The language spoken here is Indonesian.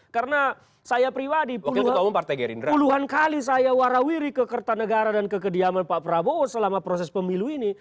karena saya priwadi puluhan kali saya warawiri ke kertanegara dan ke kediaman pak prabowo selama proses pemilu ini